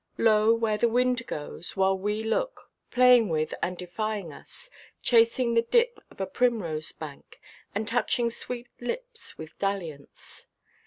Lo, where the wind goes, while we look, playing with and defying us, chasing the dip of a primrose–bank, and touching sweet lips with dalliance.